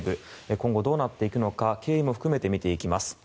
今後どうなっていくのか経緯も含めて見ていきます。